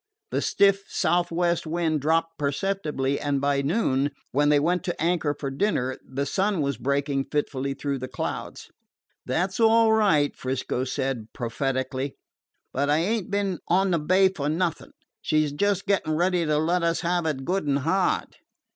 The stiff southwest wind dropped perceptibly, and by noon, when they went to anchor for dinner, the sun was breaking fitfully through the clouds. "That 's all right," 'Frisco Kid said prophetically. "But I ain't been on the bay for nothing. She 's just gettin' ready to let us have it good an' hard."